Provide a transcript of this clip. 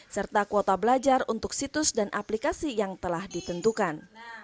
serta kuota belajar untuk situs dan aplikasi yang telah ditentukan